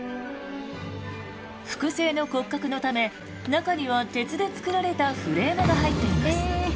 複製の骨格のため中には鉄で作られたフレームが入っています。